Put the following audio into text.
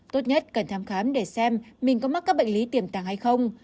tốt nhất cần thăm khám để xem mình có mắc các bệnh lý tiềm tàng hay không